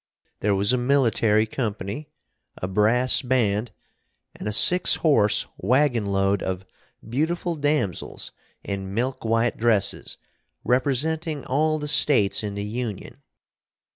There was a military company, a brass band, and a six horse wagon load of beautiful damsels in milk white dresses, representing all the States in the Union.